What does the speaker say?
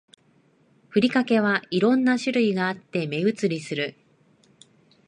ふりかけは色んな種類があって目移りする